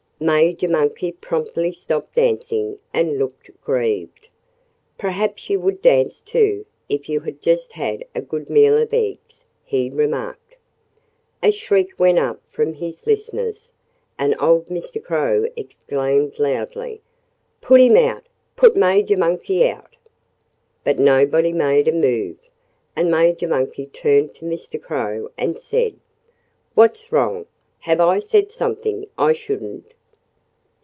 Major Monkey promptly stopped dancing and looked grieved. "Perhaps you would dance, too, if you had just had a good meal of eggs," he remarked. A shriek went up from his listeners. And old Mr. Crow exclaimed loudly: "Put him out! Put Major Monkey out!" But nobody made a move. And Major Monkey turned to Mr. Crow and said: "What's wrong? Have I said something I shouldn't?"